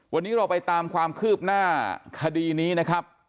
วันนี้เราไปตามความคืบหน้าคดีนี้นะครับ